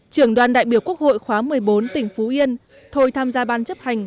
trưởng đoàn đại biểu quốc hội khóa một mươi bốn tỉnh phú yên thôi tham gia ban chấp hành